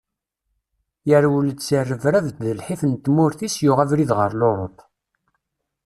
Yerwel-d seg rrebrab d lḥif n tmurt-is yuɣ abrid ɣer Lurup.